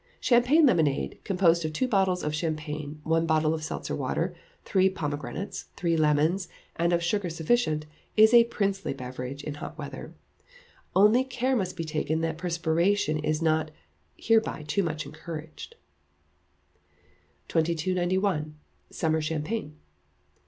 Champagne Lemonade, composed of two bottles of champagne, one bottle of seltzer water, three pomegranates, three lemons, and of sugar sufficient, is a princely beverage in hot weather; only care must be taken that perspiration is not hereby too much encouraged. 2291. Summer Champagne.